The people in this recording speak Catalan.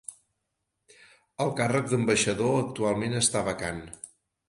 El càrrec d'ambaixador actualment està vacant.